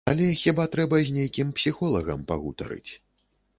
Але хіба трэба з нейкім псіхолагам пагутарыць.